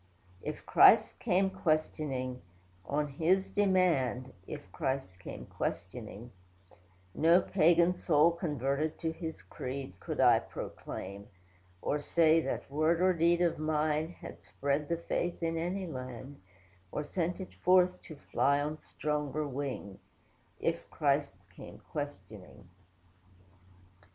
If Christ came questioning, on His demand, (If Christ came questioning,) No pagan soul converted to His creed Could I proclaim; or say, that word or deed Of mine, had spread the faith in any land; Or sent it forth, to fly on stronger wing; If Christ came questioning.